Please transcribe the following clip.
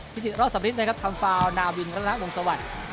พิสิทธิ์รอดสรรพฤษนะครับทำฟาวน์นาวินรัตนาวงศวรรษ